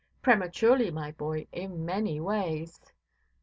Prematurely, my boy, in many ways.